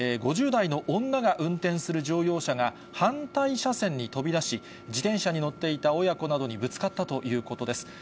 ５０代の女が運転する乗用車が反対車線に飛び出し、自転車に乗っていた親子などにぶつかったということです。